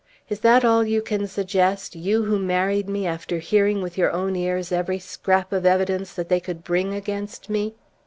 Is that all you can suggest, you who married me after hearing with your own ears every scrap of evidence that they could bring against me?"